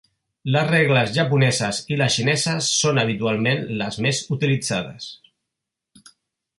Les regles japoneses i les xineses són habitualment les més utilitzades.